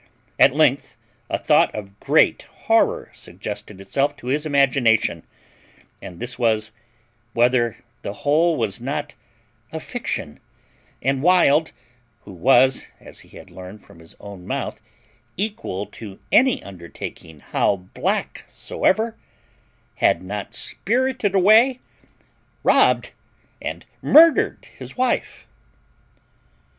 At length a thought of great horror suggested itself to his imagination, and this was, whether the whole was not a fiction, and Wild, who was, as he had learned from his own mouth, equal to any undertaking how black soever, had not spirited away, robbed, and murdered his wife.